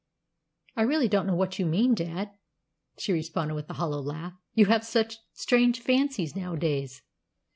"I really don't know what you mean, dad," she responded with a hollow laugh. "You have such strange fancies nowadays."